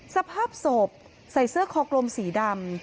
สภาพศพใส่เสื้อคอกลมสีดำ